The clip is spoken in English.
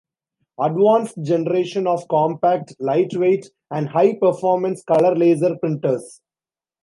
Advanced generation of compact, lightweight and high-performance color laser printers.